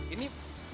ini pasang durian